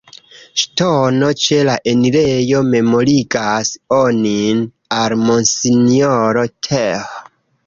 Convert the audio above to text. Ŝtono ĉe la enirejo memorigas onin al monsinjoro Th.